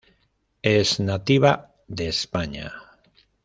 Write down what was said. Es nativa de España.